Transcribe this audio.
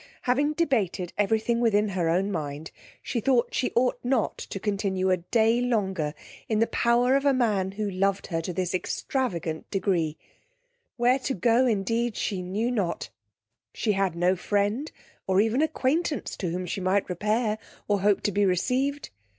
Having debated every thing within her own mind, she thought she ought not to continue a day longer in the power of a man who loved her to this extravagant degree: where to go indeed she knew not; she had no friend, or even acquaintance, to whom she might repair, or hope to be received.